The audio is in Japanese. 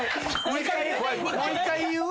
もう１回言う？